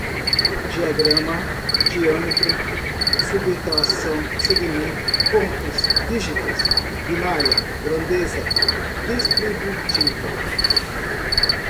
diagrama, diâmetro, subtração, segmento, pontos, dígitos, binária, grandeza, distributiva